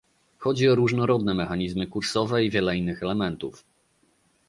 Chodzi o różnorodne mechanizmy kursowe i wiele innych elementów